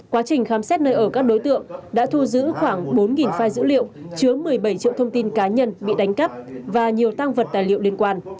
quá trình khám xét nơi ở các đối tượng đã thu giữ khoảng bốn file dữ liệu chứa một mươi bảy triệu thông tin cá nhân bị đánh cắp và nhiều tăng vật tài liệu liên quan